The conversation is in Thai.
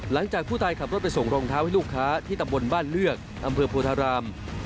หลังจากผู้ตายขับรถไปส่งรองเท้าให้ลูกค้าที่ตำบลบ้านเลือกอำเภอโพธาราม